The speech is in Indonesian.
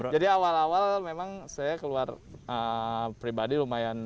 jadi awal awal memang saya keluar pribadi lumayan jauh